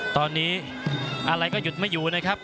ตอนนี้อะไรก็หยุดไม่อยู่นะครับ